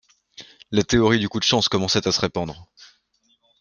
la théorie du coup de chance commençait à se répandre.